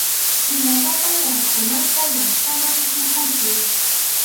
Imatapas rakhumanta llapsaman tukuchiy.